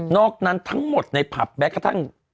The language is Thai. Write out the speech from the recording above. อกนั้นทั้งหมดในผับแม้กระทั่ง